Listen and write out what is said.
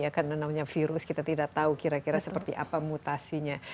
karena namanya virus kita tidak tahu kira kira seperti apa mutasinya